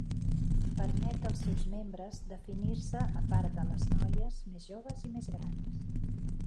Permet els seus membres definir-se a part de les noies més joves i més grans.